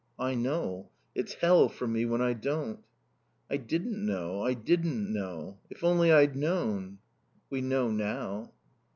"I know. It's hell for me when I don't." "I didn't know. I didn't know. If only I'd known." "We know now."